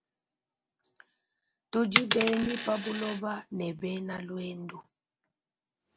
Tudi benyi pa buloba ne bena luendu.